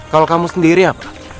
kalau kamu sendiri apa